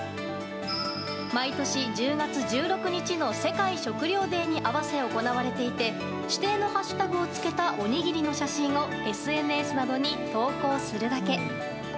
毎年１０月１６日の世界食料デーに合わせ行われていて指定のハッシュタグを付けたおにぎりの写真をＳＮＳなどに投稿するだけ。